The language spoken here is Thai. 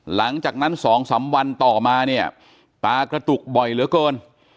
หลังจากนั้น๒๓วันต่อมาเนี่ยตากระตุกบ่อยเหลือเกิน